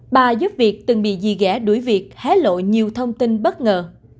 bà giúp việc từng bị dì ghẻ đuổi việc hé lộ nhiều thông tin bất ngờ